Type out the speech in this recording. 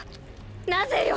なぜよ？